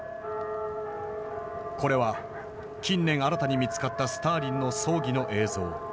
これは近年新たに見つかったスターリンの葬儀の映像。